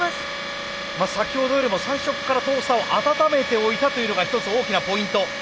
先ほどよりも最初からトースターを温めておいたというのが一つ大きなポイント。